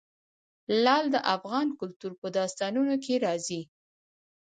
لعل د افغان کلتور په داستانونو کې راځي.